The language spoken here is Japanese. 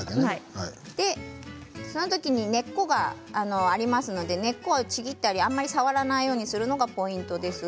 その時に根っこがありますのでちぎったりあまり触らないようにするのがポイントです。